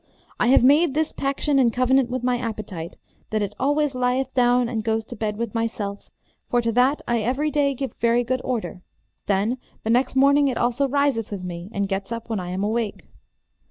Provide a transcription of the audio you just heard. I have made this paction and covenant with my appetite, that it always lieth down and goes to bed with myself, for to that I every day give very good order; then the next morning it also riseth with me and gets up when I am awake.